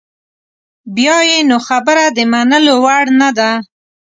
بیا یې نو خبره د منلو وړ نده.